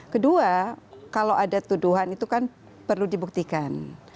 kedua kalau ada tuduhan itu kan perlu dibuktikan